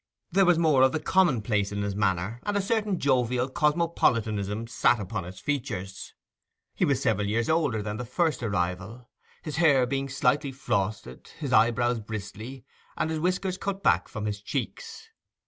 There was more of the commonplace in his manner, and a certain jovial cosmopolitanism sat upon his features. He was several years older than the first arrival, his hair being slightly frosted, his eyebrows bristly, and his whiskers cut back from his cheeks.